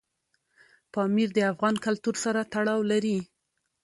پامیر د افغان کلتور سره تړاو لري.